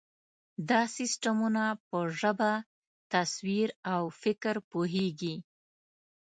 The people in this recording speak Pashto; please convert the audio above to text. دا سیسټمونه په ژبه، تصویر، او فکر پوهېږي.